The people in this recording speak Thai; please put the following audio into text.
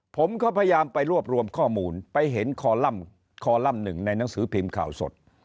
ผมก็พยายามไปรวบรวมข้อมูลไปเห็นคอลัมคอลัมป์หนึ่งในหนังสือพิมพ์ข่าวสด